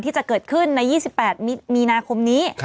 ที่จะเกิดขึ้นใน๒๘มีนาคมนี้